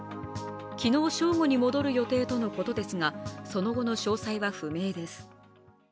昨日正午に戻る予定とのことですが、その後の詳細は不明です。